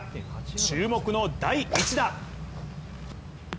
注目の第１打。